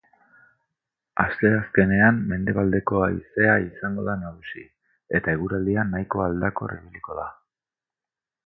Asteazkenean mendebaldeko haizea izango da nagusi eta eguraldia nahiko aldakor ibiliko da.